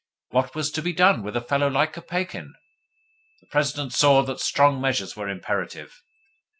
What was to be done with a fellow like Kopeikin? The President saw that strong measures were imperative.